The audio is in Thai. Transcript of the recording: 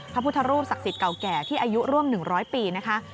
พระพุทธรูปศักดิ์สิทธิ์เก่าแก่ที่อายุร่วม๑๐๐ปีนะคะ